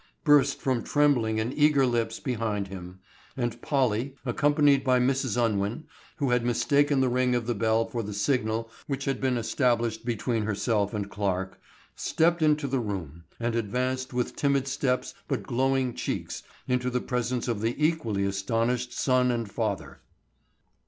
burst from trembling and eager lips behind him, and Polly, accompanied by Mrs. Unwin, who had mistaken the ring of the bell for the signal which had been established between herself and Clarke, stepped into the room, and advanced with timid steps but glowing cheeks into the presence of the equally astonished son and father.